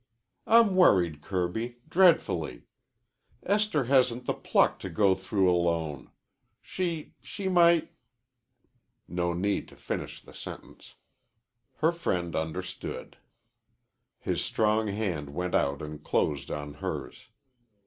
"I'm worried, Kirby, dreadfully. Esther hasn't the pluck to go through alone. She she might " No need to finish the sentence. Her friend understood. His strong hand went out and closed on hers.